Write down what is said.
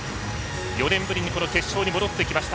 ４年ぶりのこの決勝に戻ってきました。